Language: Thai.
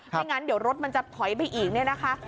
ไม่งั้นเดี๋ยวรถมันจะถอยไปอีกเนี่ยนะคะ